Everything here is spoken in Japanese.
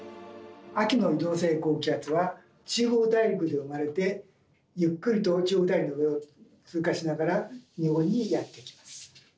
秋の移動性高気圧は中国大陸で生まれてゆっくりと中国大陸の上を通過しながら日本にやってきます。